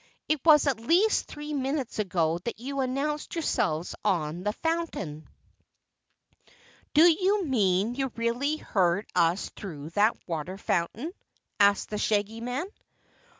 It was at least three minutes ago that you announced yourselves on the Phontain." "Do you mean you really heard us through that water fountain?" asked the Shaggy Man.